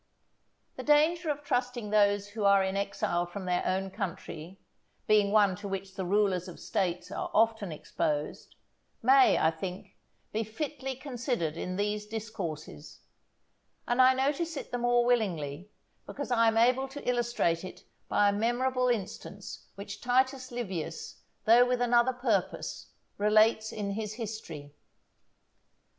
_ The danger of trusting those who are in exile from their own country, being one to which the rulers of States are often exposed, may, I think, be fitly considered in these Discourses; and I notice it the more willingly, because I am able to illustrate it by a memorable instance which Titus Livius, though with another purpose, relates in his history.